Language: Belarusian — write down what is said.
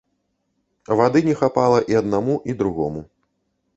Вады не хапала і аднаму, і другому.